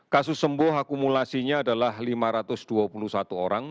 kasus sembuh akumulasinya adalah lima ratus dua puluh satu orang